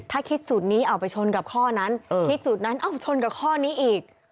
ถ้าคิดสูตรนี้เอาไปชนกับข้อนั้นคิดสูตรนั้นเอ้าชนกับข้อนี้อีก